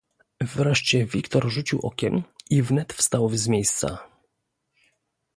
"Wreszcie Wiktor rzucił okiem i wnet wstał z miejsca."